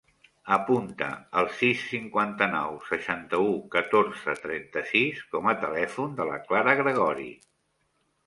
Apunta el sis, cinquanta-nou, seixanta-u, catorze, trenta-sis com a telèfon de la Clara Gregori.